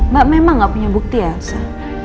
mbak memang gak punya bukti ya sah